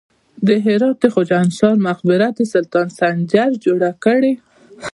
د هرات د خواجه انصاري مقبره د سلطان سنجر جوړه کړې